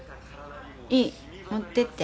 いい持ってって。